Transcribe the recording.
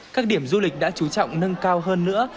các điểm du lịch đã chú trọng nâng cao hơn nữa